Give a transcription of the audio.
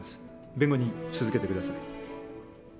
弁護人続けて下さい。